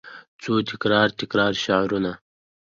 څو تکرار، تکرار شعرونه